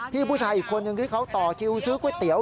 ผู้ชายอีกคนนึงที่เขาต่อคิวซื้อก๋วยเตี๋ย